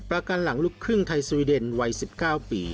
ประกันหลังลูกครึ่งไทยสวีเดนวัย๑๙ปี